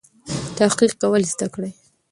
تحقیق کول زده کړئ.